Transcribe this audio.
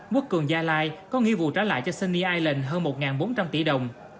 quốc cường gia lai có nghi vụ trả lại cho sunny island hơn một bốn trăm linh tỷ đồng